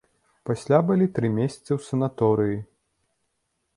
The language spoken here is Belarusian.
Пасля былі тры месяцы ў санаторыі.